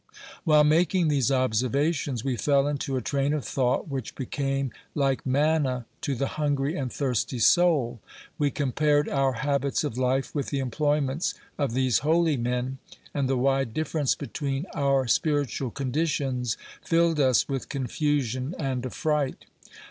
While making these observations, we fell into a train of thought which became like manna to the hungry and thirsty soul : we compared our habits of life with the employments of these holy men, and the wide difference between our spirit ual conditions filled us with confusion and affright.